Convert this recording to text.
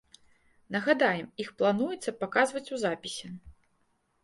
Нагадаем, іх плануецца паказваць у запісе.